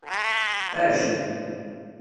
Aɛjel